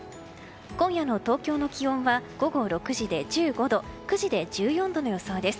今夜の東京の気温は午後６時で１５度９時で１４度の予想です。